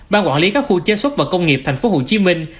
ban quản lý các khu chế xuất và công nghiệp thành phố hồ chí minh